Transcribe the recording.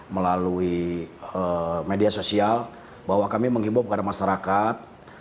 melalui media sosial bahwa kami menghimbau kepada masyarakat